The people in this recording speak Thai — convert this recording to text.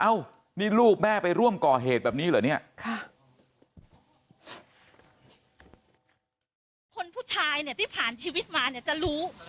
นี่ลูกแม่ไปร่วมก่อเหตุแบบนี้เหรอเนี่ยค่ะคนผู้ชายเนี่ยที่ผ่านชีวิตมาเนี่ยจะรู้